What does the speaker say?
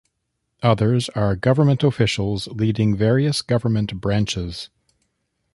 Others are government officials leading various government branches.